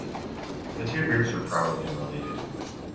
The two groups were probably unrelated.